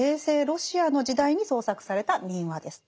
ロシアの時代に創作された「民話」です。